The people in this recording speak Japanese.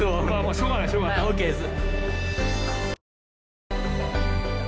しょうがないしょうがない。ＯＫです。